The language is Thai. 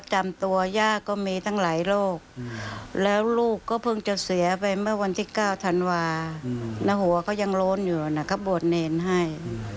หลานขายล้มโรนอยู่แล้วนะก็บวชเนรให้